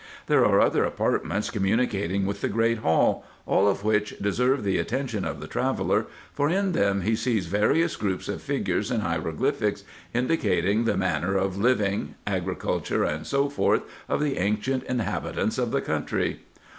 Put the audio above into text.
There are other apartments communicating with the great hall, all of which deserve the attention of the traveller, for in them he sees various groups of figures and hieroglyphics indicating the manner of living, agriculture, &c. of the ancient inhabitants of the country.